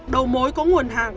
đầu mối có nguồn hàng